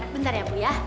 bentar ya bu ya